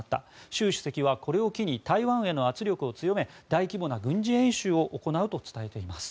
習主席はこれを機に台湾への圧力を強め大規模な軍事演習を行うと伝えています。